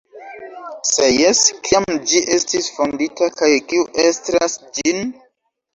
Se jes, kiam ĝi estis fondita kaj kiu estras gin?